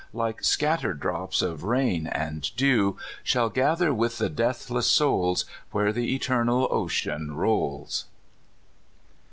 Like scattered drops of rain and dew. Shall gather with the deathless souls Where the eternal ocean rolls.